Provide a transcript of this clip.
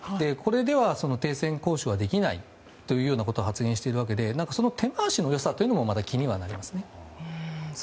これでは停戦交渉はできないというようなことを発言しているわけでその手回しの良さもまた気にはなりますね。